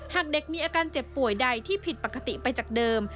หากเด็กมีอาการเจ็บป่วยใดที่ผิดปกติไปจากเดิม